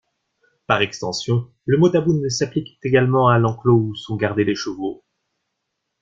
Par extension, le mot taboun s'applique également à l'enclos où sont gardés les chevaux.